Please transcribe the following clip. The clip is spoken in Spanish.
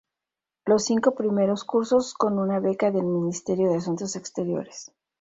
Los cinco primeros cursos con una beca del Ministerio de Asuntos Exteriores.